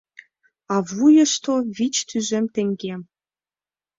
А вуйышто — вич тӱжем теҥге.